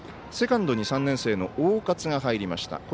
セカンドに３年生の大勝が入りました。